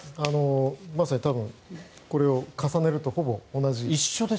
まさにこれを重ねるとほぼ同じ。